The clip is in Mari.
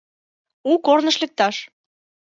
У корныш лекташ